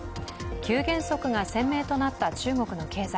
急減速が鮮明となった中国の経済。